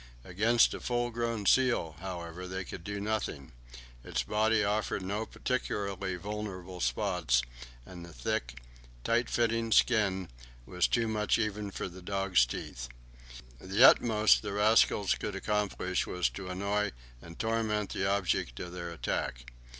Against a full grown seal, however, they could do nothing; its body offered no particularly vulnerable spots, and the thick, tight fitting skin was too much even for dogs' teeth. The utmost the rascals could accomplish was to annoy and torment the object of their attack.